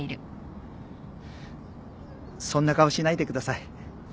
そんな顔しないでください